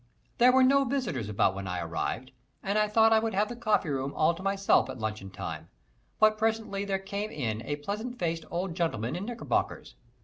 There were no visitors about when I arrived, and I thought I would have the coffeeroom all to myself at luncheon time; but presently there came in a pleasant faced old gentleman in knickerbockers.